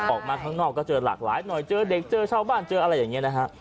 ออกมาข้างนอกก็เจอหลากหลายหน่อยเจอเด็กเจอชาวบ้านเจออะไรอย่างนี้นะฮะ